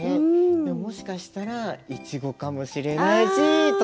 でももしかしたらイチゴかもしれないしとか。